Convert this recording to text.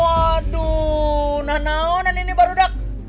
aduh ini baru nak naonan dak